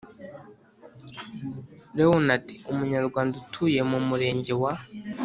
Leonard umunyarwanda utuye mu Murenge wa